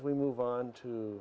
di umur enam tahun